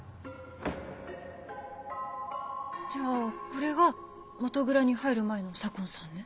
じゃあこれが元蔵に入る前の左紺さんね？